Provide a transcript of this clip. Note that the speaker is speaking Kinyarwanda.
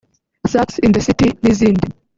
Sax in the City n’izindi